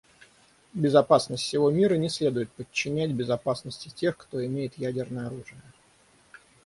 Безопасность всего мира не следует подчинять безопасности тех, кто имеет ядерное оружие.